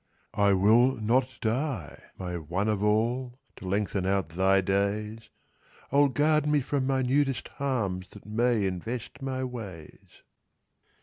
"I will not die, my One of all!— To lengthen out thy days I'll guard me from minutest harms That may invest my ways!"